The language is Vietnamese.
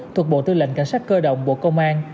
thuộc bộ tư lệnh cảnh sát cơ động bộ công an